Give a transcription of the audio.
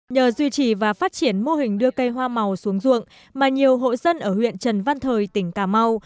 nhờ duy trì và phát triển mô hình đưa cây hoa màu xuống ruộng mà nhiều hộ dân ở huyện trần văn thời tỉnh cà mau